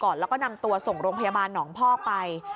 แล้วก็นำตัวส่งโรงพยาบาลหนองพอกไป